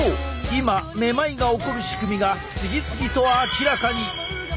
今めまいが起こる仕組みが次々と明らかに！